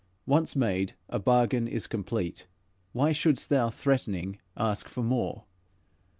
Once made, a bargain is complete; Why shouldst thou, threatening, ask for more?"